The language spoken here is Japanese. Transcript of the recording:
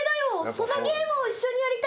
そのゲームを一緒にやりたいんだ。